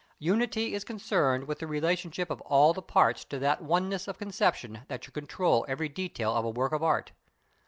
Unity is concerned with the relationship of all the parts to that oneness of conception that should control every detail of a work of art.